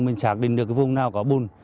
mình xác định được cái vùng nào có bùn